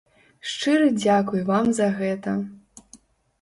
Шчыры дзякуй вам за гэта!